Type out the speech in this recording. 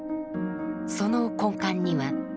その根幹には「道」。